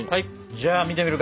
じゃあ見てみるか。